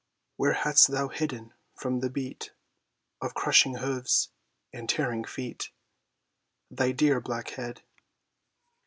Where hast thou hidden from the beat Of crushing hoofs and tearing feet Thy dear black head?